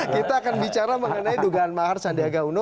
kita akan bicara mengenai dugaan mahar sandiaga uno